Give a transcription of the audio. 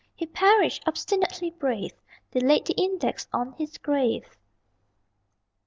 He perished, obstinately brave: They laid the Index on his grave.